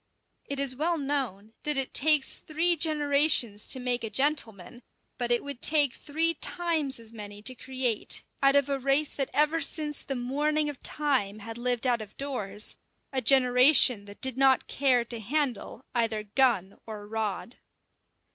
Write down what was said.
It is well known that it takes three generations to make a gentleman; but it would take three times as many to create, out of a race that ever since the morning of time had lived out of doors, a generation that did not care to handle either gun or rod.